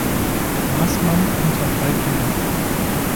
Maßmann, und hat drei Kinder.